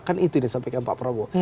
kan itu yang disampaikan pak prabowo